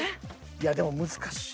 いやでも難しい。